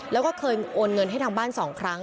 แล้วก็เคยโอนเงินให้ทางบ้าน๒ครั้ง